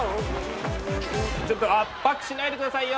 ちょっと圧迫しないで下さいよ！